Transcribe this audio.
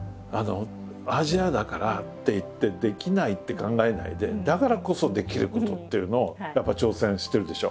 「アジアだから」っていってできないって考えないでだからこそできることっていうのをやっぱり挑戦してるでしょ。